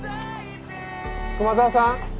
熊沢さん？